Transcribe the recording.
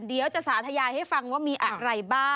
เดี๋ยวจะสาธยายให้ฟังว่ามีอะไรบ้าง